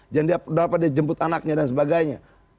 jam berapa dia jemput anaknya dan sebagainya